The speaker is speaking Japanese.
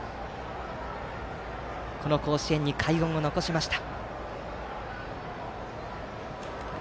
この甲子園に快音を残しました。